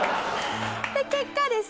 結果ですね